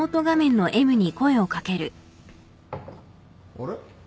あれ？